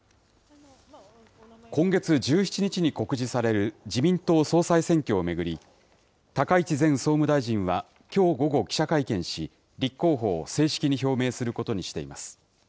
今月１７日に告示される自民党総裁選挙を巡り、高市前総務大臣はきょう午後、記者会見し、立候補を正式に表明することにしています。